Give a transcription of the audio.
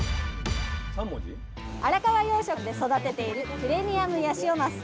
荒川養殖で育てているプレミアムヤシオマス。